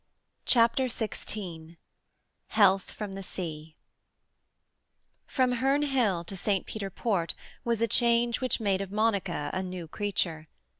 CHAPTER XVI HEALTH FROM THE SEA From Herne Hill to St. Peter Port was a change which made of Monica a new creature.